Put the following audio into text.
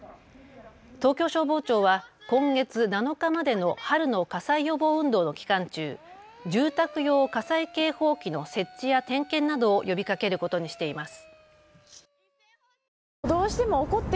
東京消防庁は今月７日までの春の火災予防運動の期間中、住宅用火災警報器の設置や点検などを呼びかけることにしています。